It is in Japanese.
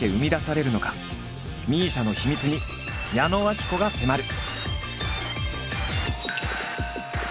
ＭＩＳＩＡの秘密に矢野顕子が迫る。